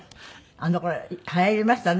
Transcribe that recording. あの頃流行りましたね